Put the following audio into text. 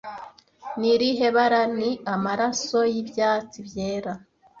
Ni irihe bara ni Amaraso y'ibyatsi byera